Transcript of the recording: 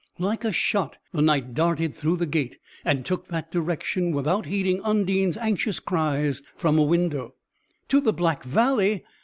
Like a shot the Knight darted through the gate, and took that direction, without heeding Undine's anxious cries from a window: "To the Black Valley?